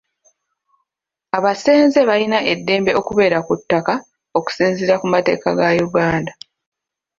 Abasenze balina eddembe okubeera ku ttaka okusinziira ku mateeka ga Uganda.